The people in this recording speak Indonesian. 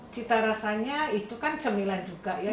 cita rasanya itu kan cemilan juga ya